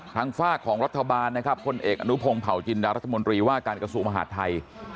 ฝากของรัฐบาลนะครับพลเอกอนุพงศ์เผาจินดารัฐมนตรีว่าการกระทรวงมหาดไทย